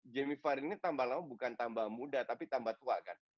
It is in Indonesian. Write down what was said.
jamie var ini tambah lama bukan tambah muda tapi tambah tua kan